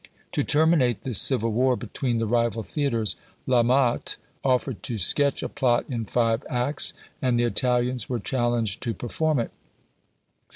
To terminate this civil war between the rival theatres, La Motte offered to sketch a plot in five acts, and the Italians were challenged to perform it.